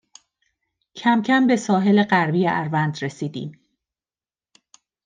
کمکم به ساحل غربی اروند رسیدیم